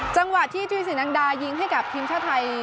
จังหวะที่ธุรสินอังดายิงให้กับทีมชาติไทย